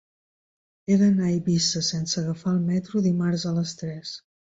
He d'anar a Eivissa sense agafar el metro dimarts a les tres.